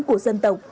của dân tộc